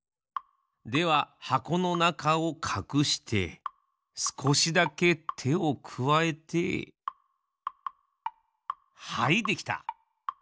でははこのなかをかくしてすこしだけてをくわえてはいできた！